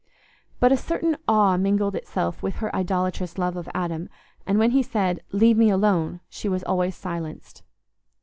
But a certain awe mingled itself with her idolatrous love of Adam, and when he said, "Leave me alone," she was always silenced.